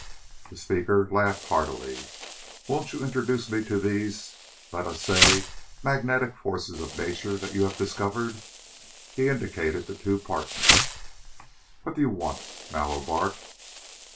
The speaker laughed heartily. "Won't you introduce me to these let us say magnetic forces of nature that you have discovered?" He indicated the two partners. "What do you want?" Mallow barked.